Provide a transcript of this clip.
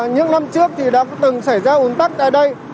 những năm trước thì đã từng xảy ra ủn tắc tại đây